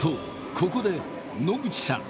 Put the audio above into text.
ここで野口さん